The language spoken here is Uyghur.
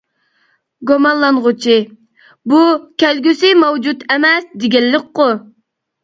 گۇمانلانغۇچى: بۇ، كەلگۈسى مەۋجۇت ئەمەس، دېگەنلىكقۇ.